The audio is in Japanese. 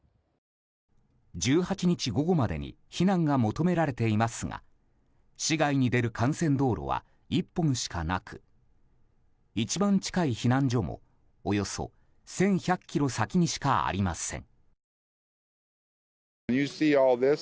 １８日午後までに避難が求められていますが市外に出る幹線道路は１本しかなく一番近い避難所もおよそ１１００ｋｍ先にしかありません。